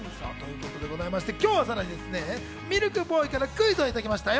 さらに今日はミルクボーイからクイズをいただきましたよ。